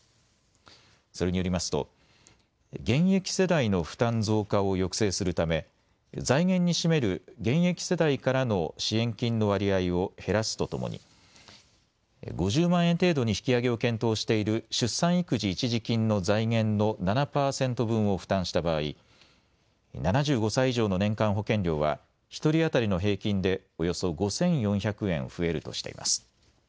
それによりますと現役世代の負担増加を抑制するため、財源に占める現役世代からの支援金の割合を減らすとともに５０万円程度に引き上げを検討している出産育児一時金の財源の７％分を負担した場合、７５歳以上の年間保険料は１人当たりの平均でおよそ５４００円増えるとしています。